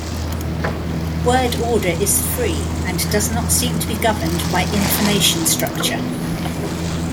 Word order is free and does not seem to be governed by information structure.